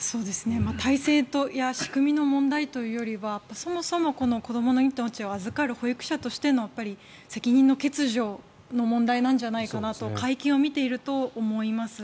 体制や仕組みの問題というよりはそもそも子どもの命を預かる保育者としての責任の欠如の問題なんじゃないかなと会見を見ていると思います。